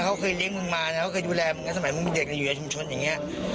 เขาเคยเลี้ยงมึงมานะเขาเคยดูแลมึงกันสมัยมึงเด็กอยู่ในชุมชนอย่างนี้